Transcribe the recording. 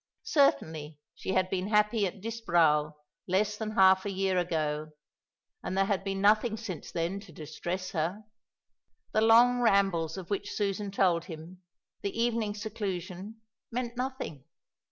Certainly she had been happy at Disbrowe less than half a year ago; and there had been nothing since then to distress her. The long rambles of which Susan told him, the evening seclusion, meant nothing.